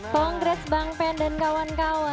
kongres bang pen dan kawan kawan